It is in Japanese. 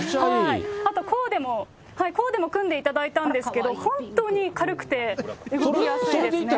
あとコーデも組んでいただいたんですけど、本当に軽くて、動きやすいですね。